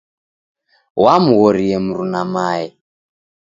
Wamghorie mruna mae.